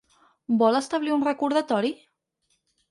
Vol establir un recordatori?